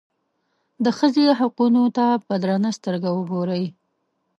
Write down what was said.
د ښځې حقونو ته په درنه سترګه وګوري.